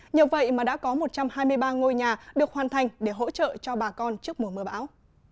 nhờ vậy mà đã có một trăm hai mươi ba ngôi nhà được hoàn thành để hỗ trợ cho bà con trước mùa mưa bão